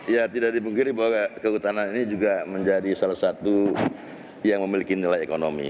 ya tidak dipungkiri bahwa kehutanan ini juga menjadi salah satu yang memiliki nilai ekonomi